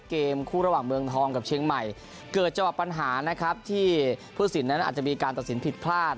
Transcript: เกมคู่ระหว่างเมืองทองกับเชียงใหม่เกิดจังหวะปัญหานะครับที่ผู้สินนั้นอาจจะมีการตัดสินผิดพลาด